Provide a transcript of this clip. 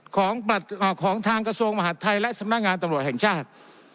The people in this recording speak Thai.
ของทางกระทรวงมหาดไทยและสำนักงานตำรวจแห่งชาติ